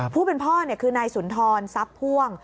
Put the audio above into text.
ผู้เป็นพ่อคือนายสุนทรทรัพย์พ่วง